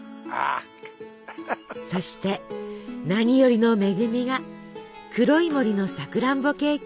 そして何よりの恵みが黒い森のさくらんぼケーキ。